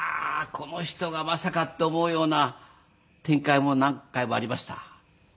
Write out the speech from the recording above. この人がまさかって思うような展開も何回もありました。